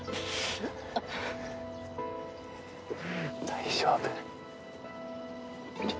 大丈夫。